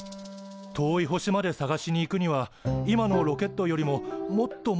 遠い星まで探しに行くには今のロケットよりももっともっと速い速度が必要だよね。